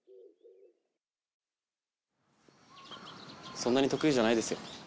そんなに得意じゃないですよ。